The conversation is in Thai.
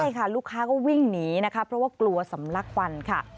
ใช่ค่ะลูกค้าก็วิ่งหนีนะคะเพราะว่ากลัวสำลักควันค่ะ